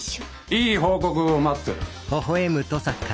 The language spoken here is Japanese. いい報告を待ってる。